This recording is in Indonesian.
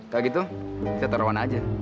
kalau gitu kita taroan aja